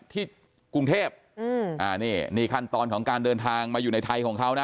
ที่กรุงเทพอืมอ่านี่นี่ขั้นตอนของการเดินทางมาอยู่ในไทยของเขานะ